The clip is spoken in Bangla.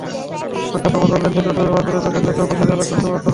অর্থাত্, অবতল লেন্সের চশমা ব্যবহার করলে চোখের লেন্সে অপসারী আলোকরশ্মি প্রবেশ করবে।